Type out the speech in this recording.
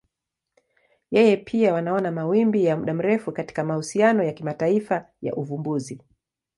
Yeye pia wanaona mawimbi ya muda mrefu katika mahusiano ya kimataifa ya uvumbuzi.